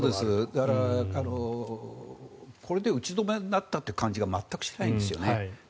だから、これで打ち止めになったという感じが全くしないんですよね。